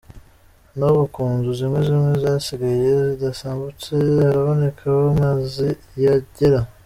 N'ubu ku nzu zimwe zimwe zasigaye zidasambutse, haraboneka aho amazi yagera.